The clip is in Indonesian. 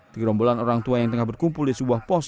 tenggerombolan orang tua yang tengah berkumpul di sebuah pos